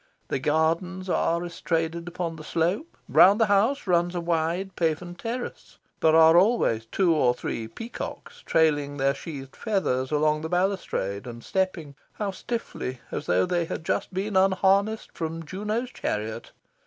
The gardens are estraded upon the slope. Round the house runs a wide paven terrace. There are always two or three peacocks trailing their sheathed feathers along the balustrade, and stepping how stiffly! as though they had just been unharnessed from Juno's chariot.